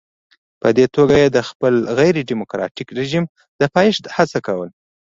په دې توګه یې د خپل غیر ډیموکراټیک رژیم د پایښت هڅه کوله.